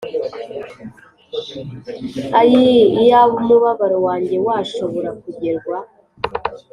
“ayii, iyaba umubabaro wanjye washobora kugerwa